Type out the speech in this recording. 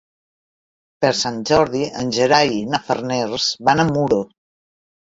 Per Sant Jordi en Gerai i na Farners van a Muro.